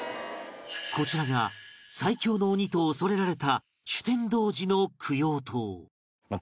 こちらが最強の鬼と恐れられた酒呑童子の供養塔